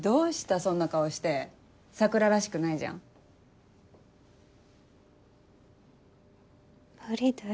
そんな顔して桜らしくないじゃん無理だよ